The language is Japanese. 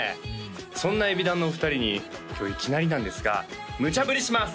そんなＥＢｉＤＡＮのお二人に今日いきなりなんですがむちゃぶりします！